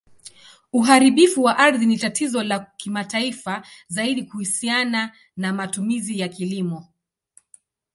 Uharibifu wa ardhi ni tatizo la kimataifa, zaidi kuhusiana na matumizi ya kilimo.